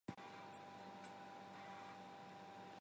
宋孝宗时参知政事。